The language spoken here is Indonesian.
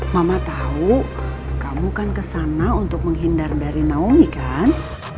mama tahu kamu kan kesana untuk menghindar dari naomi kan